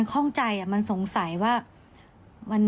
มันคล่องใจมันสงสัยว่า